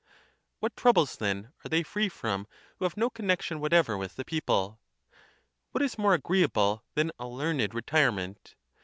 What troubles, then, are they free from who have no connection whatever with the people? What is more agreeable than a learned retirement?